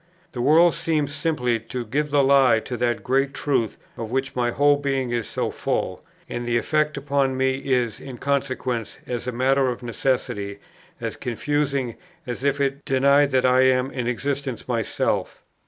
The world seems simply to give the lie to that great truth, of which my whole being is so full; and the effect upon me is, in consequence, as a matter of necessity, as confusing as if it denied that I am in existence myself.